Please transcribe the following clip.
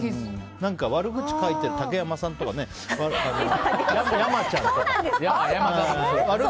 悪口を書いている竹山さんとか、山ちゃんとか。